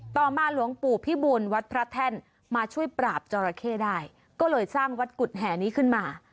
ต่อมาหลวงปู่พิบูลวัดพระแท่นมาช่วยปราบจอราเข้ได้ก็เลยสร้างวัดกุฎแห่นี้ขึ้นมา